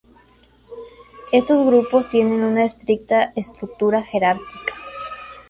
Estos grupos tienen una estricta estructura jerárquica.